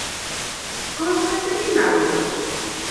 ¿Cos veterinarios?